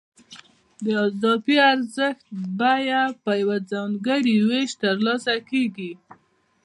د اضافي ارزښت بیه په یو ځانګړي وېش ترلاسه کېږي